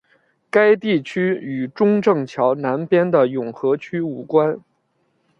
该地区与中正桥南边的永和区无关。